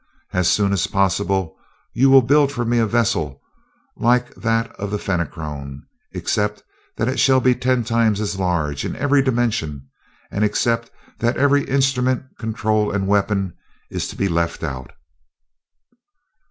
As soon as possible you will build for me a vessel like that of the Fenachrone, except that it shall be ten times as large, in every dimension, and except that every instrument, control, and weapon is to be left out."